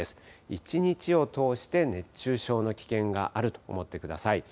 一日を通して熱中症の危険があると思ってください。